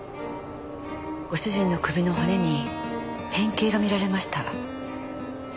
ご主人の首の骨に変形が見られました。